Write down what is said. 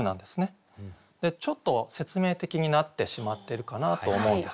ちょっと説明的になってしまってるかなと思うんです。